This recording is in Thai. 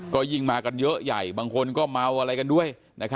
ก็ยิ่งมากันเยอะใหญ่บางคนก็เมาอะไรกันด้วย